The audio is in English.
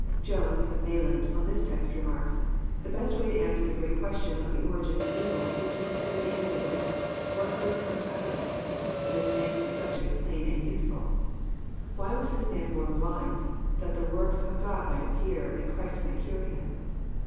Jones, of Nay land, on this text remarks :" The best way to answer the great question of the origin of evil, is to consider the end of it, * what good comes out of it?' this makes the sub ject plain and useful. Why was this man born blind ? That the works of God might appear, and Christ might cure him.